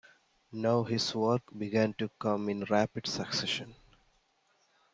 Now his works began to come in rapid succession.